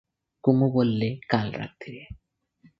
কুমু বললে, কাল রাত্তিরে।